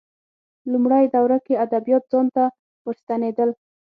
لومړۍ دوره کې ادبیات ځان ته ورستنېدل